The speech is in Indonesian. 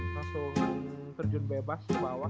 langsung terjun bebas ke bawah